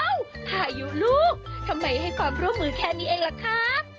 พายุลูกทำไมให้ความร่วมมือแค่นี้เองล่ะครับ